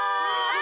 あ！